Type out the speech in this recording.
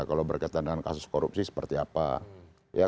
kalau berkaitan dengan kasus korupsi seperti apa